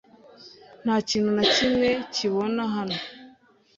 Nta kintu na kimwe kibona hano.